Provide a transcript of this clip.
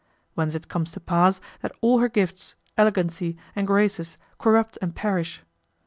Whence it comes to pass that all her gifts, elegancy, and graces corrupt and perish.